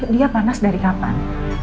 dia panas dari kapan